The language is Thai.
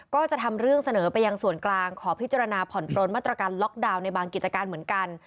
ก็จะทำเรื่องเสนอไปยังส่วนกลางขอพิจารณาผ่อนปลนมาตรการล็อกดาวน์ในบางกิจการเหมือนกัน